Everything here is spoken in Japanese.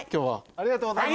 ありがとうございます。